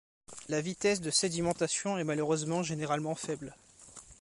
La vitesse de sédimentation est malheureusement généralement faible.